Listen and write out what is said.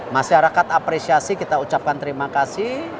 masyarakat apresiasi kita ucapkan terima kasih